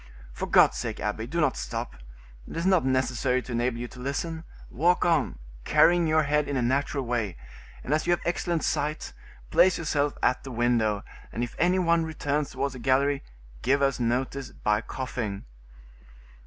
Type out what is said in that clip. For God's sake, abbe, do not stop,—it is not necessary to enable you to listen; walk on, carrying your head in a natural way, and as you have excellent sight, place yourself at the window, and if any one returns towards the gallery, give us notice by coughing."